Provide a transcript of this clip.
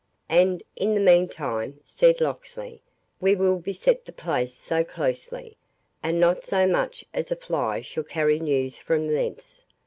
"And, in the meantime," said Locksley, "we will beset the place so closely, that not so much as a fly shall carry news from thence.